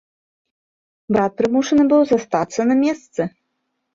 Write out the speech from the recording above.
Брат прымушаны быў застацца на месцы.